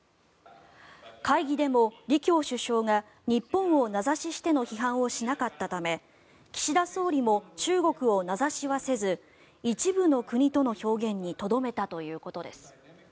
会議でも李強首相が日本を名指ししての批判をしなかったため岸田総理も中国を名指しはせず一部の国との表現にとどめたということです。